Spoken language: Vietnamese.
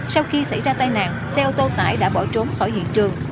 sau khi xảy ra tai nạn xe ô tô tải đã bỏ trốn khỏi hiện trường